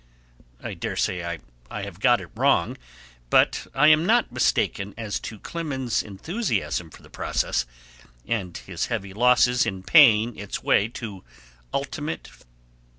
I dare say I have got it wrong, but I am not mistaken as to Clemens's enthusiasm for the process, and his heavy losses in paying its way to ultimate failure.